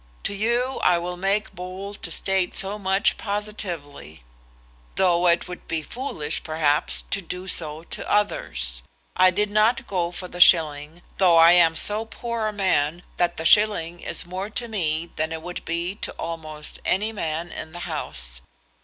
To you I will make bold to state so much positively, though it would be foolish, perhaps, to do so to others. I did not go for the shilling, though I am so poor a man that the shilling is more to me than it would be to almost any man in the House.